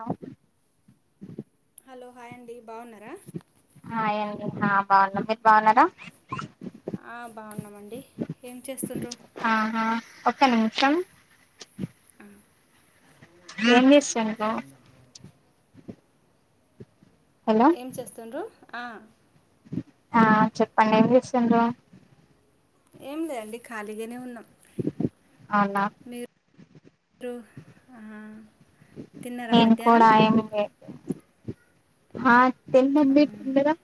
అవును hello hi అండి బాగున్నారా హయ్ అండి హ బాగున్నాం మీరు బాగున్నారా ఆ బాగున్నామండి ఏం చేస్తుండ్రు ఆహా ఒక నిమిషం ఏం చేస్తాన్నావ్ ఏం చేస్తుండ్రు ఆ ఆ చెప్పండి ఏం చేస్తుండ్రు ఏం లేండి ఖాళీగానే ఉన్నా అవునా మీరు ఉ తిన్నరా మధ్యాహ్నం హా తిన్నాం మీరు తిన్నారా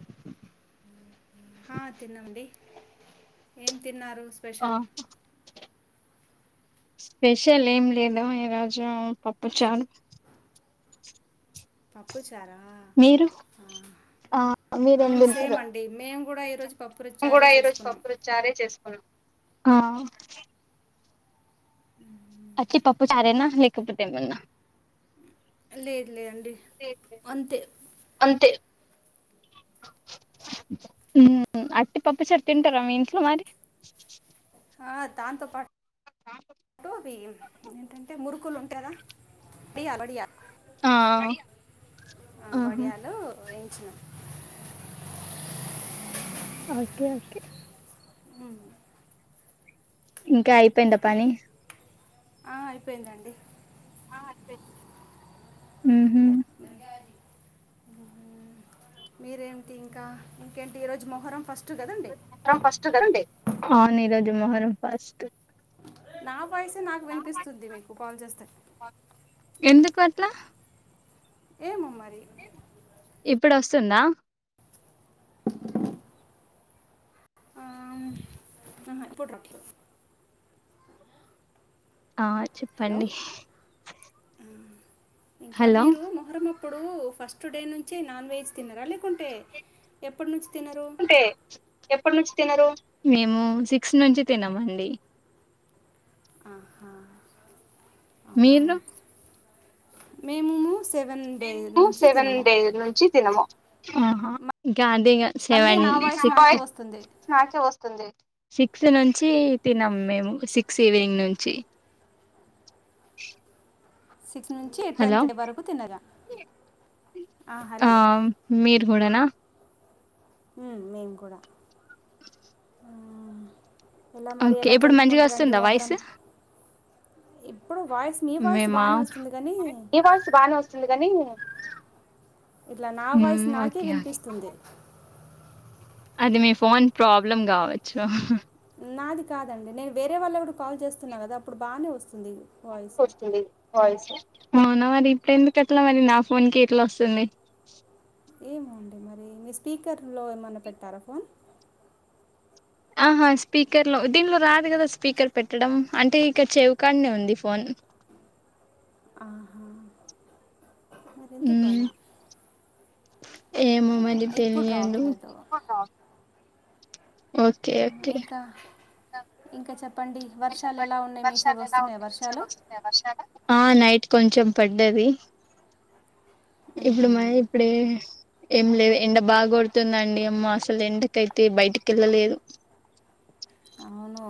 హా తిన్నము అండి ఏం తిన్నారు స్పెషల్ స్పెషల్ ఏం లేదు ఈరోజు పప్పు చారు పప్పు చారా ఆ ఆ మీరు ఏమ్ తింటారు మేము కూడా ఈ రోజు పప్పు చారు ఎ చేసుకున్నాం ఆ ఉ వట్టి పప్పు చారే నా లేకపోతే ఏమన్నా లేదు లేదండి అంతే అట్టి పప్పు చారు తింటారా మీ ఇంట్లో మరి ఆ దాంతో పాటు అవి ఏంటంటే మురుకు కులు ఉంటాయి కదా వాడియా వడియాలు ఆ ఆహా వేయించిన ఓకే ఓకే హు ఇంకా అయిపోయిందా పని ఆ అయిపోయింది అండి ఉ [inaudible] మీరేంటి ఇంకా ఇంకేంటి ఈరోజు మొహర్రం ఆ ఈ రోజు మొహరం ఫస్ట్ నా వాయిస్ నాకు వినిపిస్తుంది మీకు కాల్ చేస్తే కట్లా ఏమో మరి ఇప్పుడు వస్తుందా ఆ ఆహా ఇప్పుడు రావట్లే ఆ చెప్పండి ఇంకా మీరు మొహరము ప్పుడు ఫస్ట్ డే నుంచి నాన్ వెజ్ తిన్నారా లేకుంటే ఎప్పటి నుంచి అంటే ఎప్పటి నుంచి తినరు మేము సిక్స్ నుంచి తినము అండి ఆహా మీరు మేము మీము సెవెన్ డే ను తినము ఆహా గ్యాన్ దే సెవెన్ సిక్స్ స్నాసా తుంది సిక్స్ నుంచి తిన్నాము మేము సిక్స్ ఈవినింగ్ నుంచి హలో ఆ మీరు కూడానా ఉ మేం కూడా ఎలా మరి ఎలా జరుపుకుంటారండి మొహరం ఇప్పుడు వాయిస్ మీ వాయిస్ బానే వస్తుంది కాని ఇట్లా నా వాయిస్ నాకే వినిపిస్తుంది అది మీ ఫోన్ ప్రాబ్లం కావచ్చు ఉ నాది కాదండి నేను వేరే వాళ్ళు కూడా కాల్ చేస్తున్నా కదా అప్పుడు బానే వస్తుంది ఇది నాకు వస్తుంది వాయిస్ అవునా మరి ఇప్పుడు ఎందుకుట్లా మరి నా ఫోన్ కి ఎట్లా వస్తుంది ఏమో అండి మరి మీ స్పీకర్లో ఏమన్నా పెట్టారా ఫోన్ ఆహా స్పీకర్ లో దీనిలో రాదు కదా స్పీకర్ పెట్టడం అంటే ఇక్కడ చెవుకానే ఉంది ఫోన్ [inaudible] మరి ఎందుకు అలా ఏమో మరి తెలియదు ఓకే ఓకే ఆ చెప్పండి వర్షాలు ఎలా ఉన్నాయి వస్తున్నాయా వర్షాలు ఆ నైట్ కొంచెం పడ్డది ఇప్పుడు మాది ఇప్పుడే ఏం లేదు ఎండ బాగ కొడుతుందండి అమ్మో అసలు ఎండకైతే బయటికి వెళ్ళలేదు [inaudible] అవును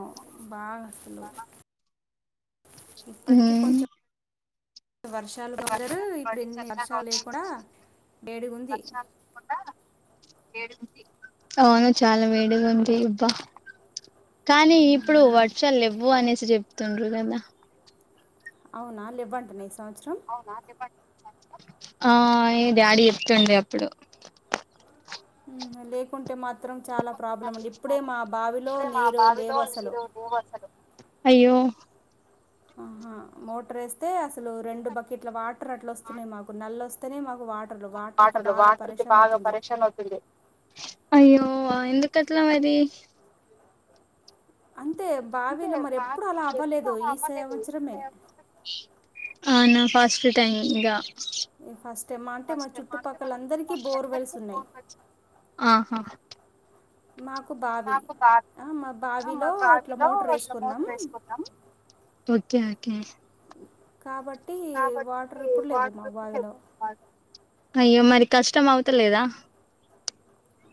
బాగా అసలు ఇప్పటికీ కొంచెం వర్షాలు పడి చల్లగా ఉండాల్సింది రోజులు వర్షాలు పడకుండా వేడిగుంది అవును చాలా వేడిగా ఉంది ఇబ్బా కానీ ఇప్పుడు వర్షాలు లేవ్వు అనేసి చెప్తుండ్ర కదా అవునా లేవ్వంటన ఈ సార్ అవునా చెప్పండి ఆ ఏయ డాడీ చెప్తుండే అప్పుడు ఉ లేకుంటే మాత్రం చాలా ప్రాబ్లం అండి ఇప్పుడే మా బావిలో నీరు లేవు అసలు అయ్యో ఆహా మోటర్ వేస్తే అసలు రెండు బకెట్ల వాటర్ అట్లా వస్తున్నాయి మాకు నల్ల వస్ తనే మాకు వాట్ వాటర్ లో వాటర్ కి బాగా పరషన్ అవుతుంది అయ్యో ఆ ఎందుకు కట్లా మరి అంటే బార్ మరెంత అవ్వలేదు [unintelligible] ఆనా ఫాస్ట్ టైం ఇంగా ఫస్ట్ టైం హా అంటే మరి ఫోన్ వచ్చింది ఆహా నాకు బావి మా బావిలో ఇట్లా మోటర్ వేసుకున్నాం ఓకే ఓకే కాబట్టి వాటర్ వేసుకోవాలి అయ్యో మరి కష్టం అవతలేద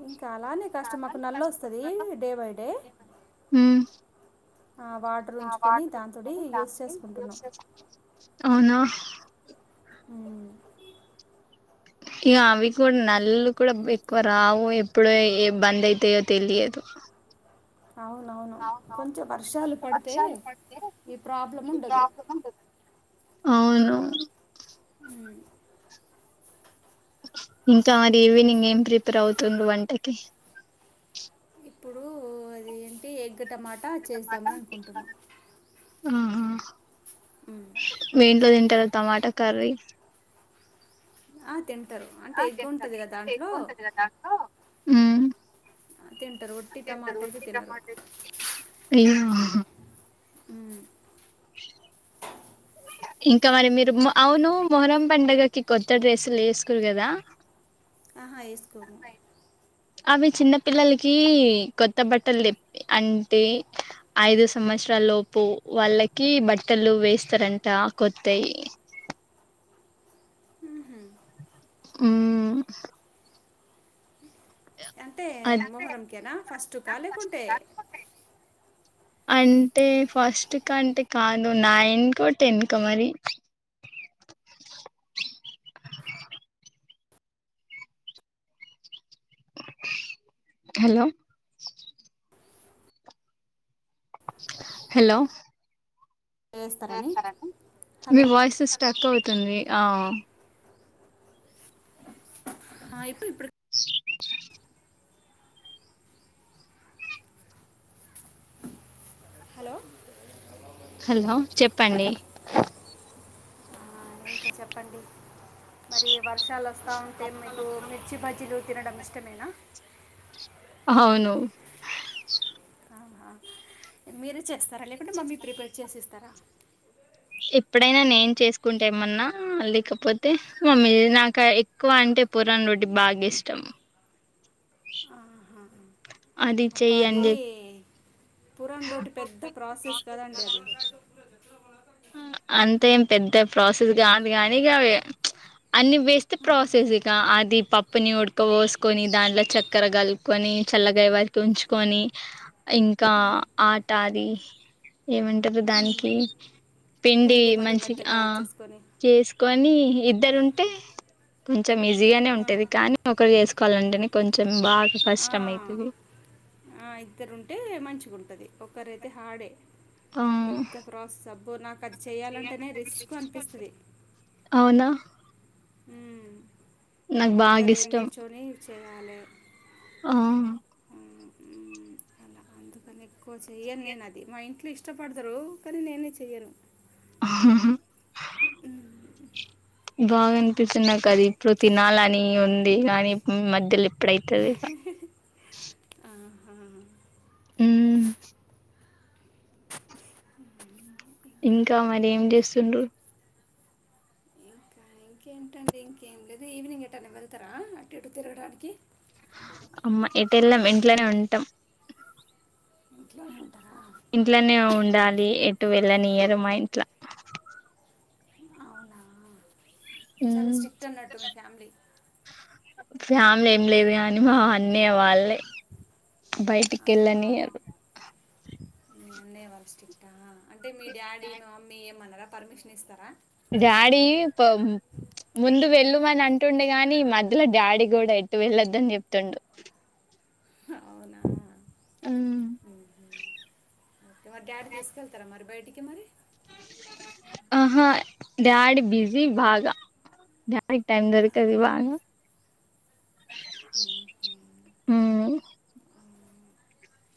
ఇంకా అలానే కష్టం మాకు నల్ల వస్తది డే బై డే ఆ వాటర్ ఉంచుకొని దాని తోటి యూస్ చేసుకుంటున్నాం అ ఇగ అవి కూడ నల్లులు కూడా ఎక్కువ రావు ఎప్పుడు ఏ బంద్ అవుతాయో తెలియదు [inaudible] అవునవును కొంచెం వర్షాలు పడితే ఈ ప్రాబ్లం ఉండదు [unintelligible] అవును ఇంకా మరి ఈవినింగ్ ఏం ప్రిపేర్ అవుతుంది వంటకి ఇప్పుడు అది ఏంటి ఎగ్ టమాట చేస్తామని అనుకుంటున్న మీఇంట్లో తింటార టమాటా కర్రీ ఆ తిం హు [unintelligible] హు ఇంకా మరి మీరు అవును మొహరం పండుగకి కొత్త డ్రెస్సులేసుకోరు కదా ఆహా ఏసుకోము అవి చిన్న పిల్లలకీ కొత్త బట్టలు తెప్పి అంటే ఐదు సంవత్సరాల్లో పు వాళ్ళకి బట్టలు వేస్తారంట కొత్తవి హు హు హు అంటే మొహరంకేనా ఫస్టక లేకుంటే అంటే ఫస్ట్ అంటే కాదు నైన్కో టెన్కొ మరి హలో హలో మీ వాయిస్ స్టక్ అవుతుంది ఆ ఆ ఇప్పు ఇప్పుడు హలో హలో చెప్పండి ఇంకా చెప్పండి మరి వర్షాలు వస్తా ఉంటే మీకు మిర్చి బజ్జీలు తినడం ఇష్టమేన అవును ఆహా మీరే చేస్తార లేకుంటే మమ్మీ ప్రిపేర్ చేసిస్ ఎప్పుడైనా నేను చేసుకుంటే ఏమన్నా లేకపోతే మమ్మీ నాక ఎక్కువ అంటే పొర రోటి బాగ ఇష్టం అది చెయ్యి అని చె పురాన్ రోటి పెద్ద ప్రాసెస్ కదండి అది అంతే ఏం పెద్ద ప్రాసెస్ కాదు గానీ ఇగ అన్ని వేస్తే ప్రాసెస్ ఇక అది ప [unintelligible] ఉడక పోసుకొని దాంట్లో చక్కెర కలుపుకొని చల్లగాయవరుకు ఉంచుకొని ఇంకా ఆటాది ఏమంటారు దానికి పిండి మంచిగా ఆ చేసుకొని ఇద్దరుంటే కొంచెం ఈజీగానే ఉంటది కానీ ఒకరు చేసుకోవాలంటేనె కొంచెం ఆ ఆ ఇద్దరుంటే మంచిగుంటది ఒకరైతే హాడే పెద్ద ప్రాసెస్ అబ్బో నాకు అది చేయాలంటేనే రిస్క్ అనిపిస్తది అవునా ఉమ్మ్ ఒక్కరే నిల్చొని చేయాలె ఆ అలా [inaudible] అందుకనే ఎక్కువ చెయ్యను నేను అది మా ఇంట్లో ఇష్టపడతారు కానీ నేనే చెయ్యను ఆ [inaudible] బాగా అనిపిస్తుంది నాకది ఇప్పుడు తినాలని ఉంది కానీ మధ్యలో ఆ ఇంకా మరి ఏం చేస్తుండ్రు ఆ ఇంకేంటండి ఇంకేం లేదు ఈవినింగ్ ఎటైనా వెళ్తారా అటు ఇటు తిరగడానికి అమ్మ ఎటేళ్ళం ఇంట్లనే ఉంటం ఆహా ఇంట్లనే ఉండాలి ఎటు వెళ్ళనియారు మాఇంట్ల చాలా స్ట్రిక్ట్ అన్నట్టు మీ ఫ్యామిలీ ఫ్యామిలీ ఏం లేదు కాని మా అన్నయ వాళ్ళే బయటికేళ్ళనియారు మీ అన్నయ్య వాళ్ళు స్ట్రిక్టా అంటే మీ డాడీ మీ మమ్మీ ఏమన్నారా పర్మిషన్ ఇస్తారా డాడీ ప ముందు వెళ్ళమని అంటుండే గాని మధ్యలో డాడీ కూడా ఎటు వెళ్లొద్దని చెప్తుండు అవునా ఉమ్మ్ హ్మ్ ఓకే మరి డాడీ తీసుకెళ్తారా మరి బయటికి మరి [inaudible] ఆహా డాడీ బిజీ బాగా డాడీకి టైం దొరకదు బాగా ఉమ్మ్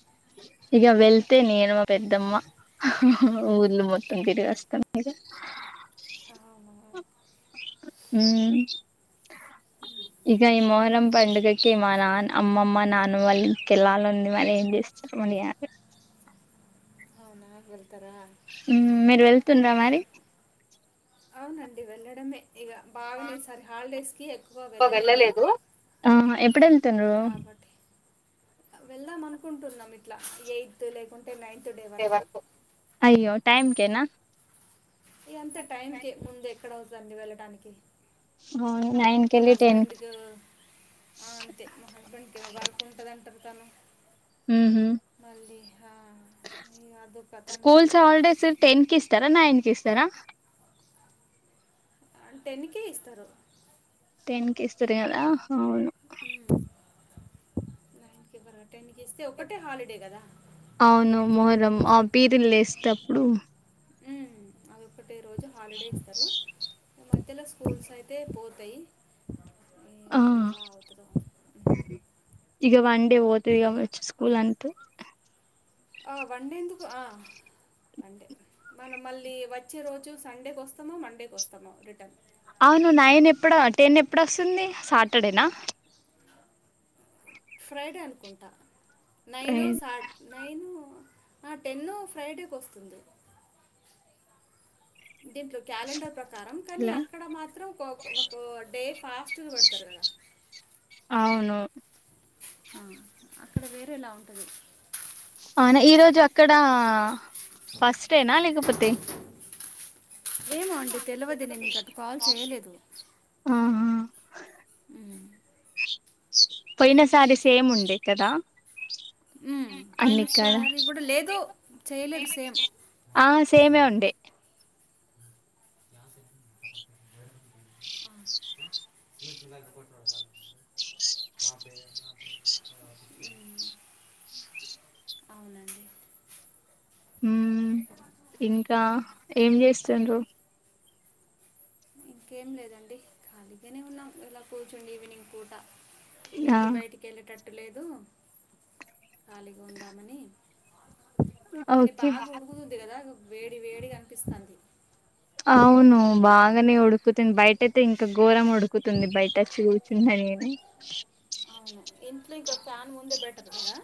[inaudible] ఇక వెళ్తే నేను మా పెద్దమ్మా ఊర్లూ మొత్తం తిరిగోస్తాం ఇక అవునా ఉమ్మ్ ఉమ్మ్ ఇక ఈ మొహరం పండుగకి మా నాన్న అమ్మమ్మ నాన్న వాళ్ళ ఇంకెళ్ళాలనుంది మళ్ళ ఏం చే స్తారో నాకు వెళ్తారా మీరు వెళ్తుండ్రా మరి అవునండి వెళ్ళడమే ఇగ బాగానే ఈసారి హాలిడేస్‌కి ఎక్కువ వెళ్ళలేదు ఆ ఎప్పుడు వెళ్తునరు వెళ్దాం అనుకుంటున్నాం ఇట్లా ఎయిత్ లేకుం టే నైన్త్ డే వరకు టైం కేనా ఇగ అంతే టైంకే ముందు ఎక్కడవుతదండి వెళ్ళటానికి బాగున్నా మా హస్బెండ్కి ఆ త్ మా హస్బెండ్కి ఏమొ వర్క్ ఉంటది అంటది తను మ్ హు స్కూల్స్ హాలిడేస్ టెన్ కిస్తారా నైన్ కిస్తారా టెన్ కే ఇస్తారు టేన్కి ఇస్తరు కద మ్ అవును మొహరం ఆ పీరిలేస్తేటప్పుడు మ్ అది ఒకటి రోజు హాలిడే ఇస్తారు మధ్యలో స్కూల్స్ అయితే పోతాయి ఆ ఇగ వన్ డే పోతది కావచ్చు స్కూల్ అం టే ఆ వన్ డే ఎందుకు ఆ వండే మనం మళ్ళీ వచ్చే రోజు సండేకోస్తమొ మండేకోస్తామో రిటర్న్ అవును నైన్ ఎప్పుడ టెన్ ఎప్పుడొస్తుంది సాటర్డేనా ఫ్రైడే అనుకుంటా నైను సా నైను ఆ టెన్న ఫ్రైడేకోస్తుంది దీంట్లో క్యాలెండర్ ప్రకారం కానీ అక్కడ మాత్రం ఒక ఒక డే ఫాస్ట్ గ పెడుతారు కదా అవును ఆ అక్కడ వేరేలా ఉంటది అవునా ఈ రోజు అక్కడ ఫస్ట్నేనా లేకపోతే ఏమో అండి తెలువది నేను ఇంకటు కాల్ చేయలేదు మ్ పోయిన సారి సేమ్ ఉండే కదా మ్ పోైన సారి కూడా లేదు చేయలేదు సేమ్ ఆ సేమే ఉండే స్మిట్ పోట్ ప అవునండి మ్ ఇంకా ఏం చేస్తుండ్రు ఇంకేం లేదండి ఖాళీగానే ఉన్నాం ఇలా కూర్చోండి ఈవినింగ్ పూట ఎటు బయటికేళ్ళేటట్ ట్టులేదు ఖాళీగా ఉందామని కానీ బాగా ఉడుకుతుంది కదా వేడి వేడిగ అనిపిస్థంది అవును బాగానే ఉడుకుతుంది బయట అయితే ఇంకా గోరం ఉడ్ డుకుతుంది బయటోచ్చి కూర్చున్న నిను ఇంట్లో ఇక ప్యాన్ ముందే బెటరు కదా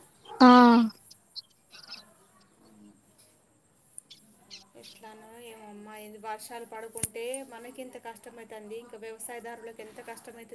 ఎట్లానో ఏమొమ్మా వర్షాలు పడకుంటే మనకే ఇంత కష్టమయితంది ఇంకా వ్యవసాయ దరులకు ఎంత కష్టమైతది